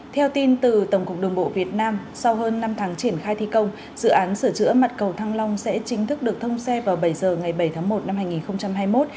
theo tin từ tổng cục đường bộ việt nam sau hơn năm tháng triển khai thi công dự án sửa chữa mặt cầu thăng long sẽ chính thức được thông xe vào bảy giờ ngày bảy tháng một năm hai nghìn hai mươi một